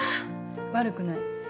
悪くない。